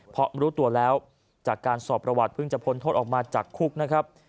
เพราะรู้ตัวแล้วจากการสอบประวัติเพิ่งจะพ้นโทษออกมาจากคุกนะครับ